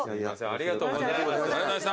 ありがとうございます。